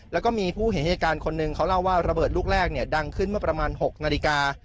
แล้วก็มีผู้เห็นเหตุการณ์คนหนึ่งเขาเล่าว่าระเบิดลูกแรกเนี่ยดังขึ้นเมื่อประมาณ๖นาฬิกา